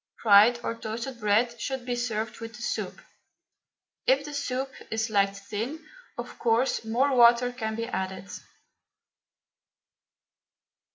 Fried or toasted bread should be served with the soup. If the soup is liked thin, of course more water can be added.